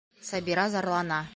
Сабира зарлана: